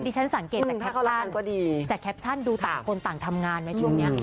ฉันสังเกตจากแคปชั่นจากแคปชั่นดูต่างคนต่างทำงานไหมช่วงนี้